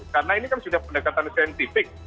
karena ini kan sudah pendekatan saintifik